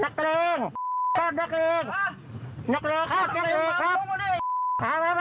นักเลครับ